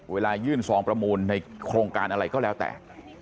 ยื่นซองประมูลในโครงการอะไรก็แล้วแต่